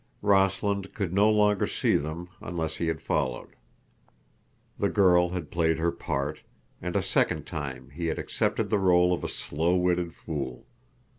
Rossland could no longer see them, unless he had followed. The girl had played her part, and a second time he had accepted the role of a slow witted fool.